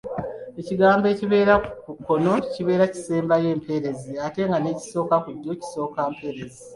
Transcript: Ekigambo ekibeera ku kkono kibeera kisembyayo mpeerezi ate nga n’ekisooka ku ddyo kisoosa mpeerezi.